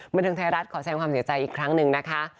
เมืองธรรมไทยรัฐขอแสนความเสียใจอีกครั้งหนึ่ง